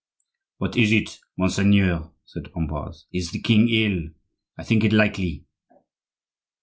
"What is it, monseigneur?" said Ambroise. "Is the king ill? I think it likely."